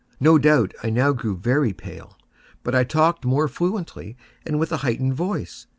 No doubt I now grew very pale;—but I talked more fluently, and with a heightened voice.